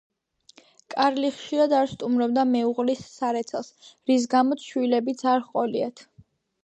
კარლი ხშირად არ სტუმრობდა მეუღლის სარეცელს, რის გამოც შვილებიც არ ჰყოლიათ.